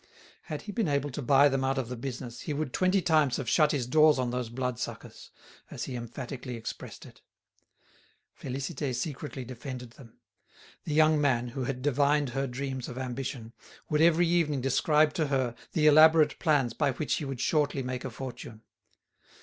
Had he been able to buy them out of the business he would twenty times have shut his doors on those bloodsuckers, as he emphatically expressed it. Félicité secretly defended them; the young man, who had divined her dreams of ambition, would every evening describe to her the elaborate plans by which he would shortly make a fortune.